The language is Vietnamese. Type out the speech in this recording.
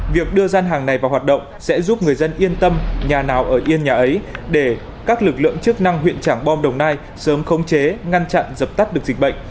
việc đưa gian hàng này vào hoạt động sẽ giúp người dân yên tâm nhà nào ở yên nhà ấy để các lực lượng chức năng huyện trảng bom đồng nai sớm khống chế ngăn chặn dập tắt được dịch bệnh